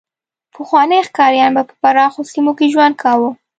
پخواني ښکاریان به په پراخو سیمو کې ژوند کاوه.